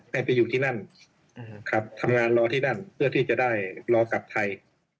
ไปอยู่ที่นั่นครับทำงานรอที่นั่นเพื่อที่จะได้รอกลับไทย